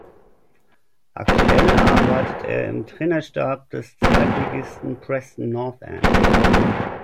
Aktuell arbeitet er im Trainerstab des Zweitligisten Preston North End.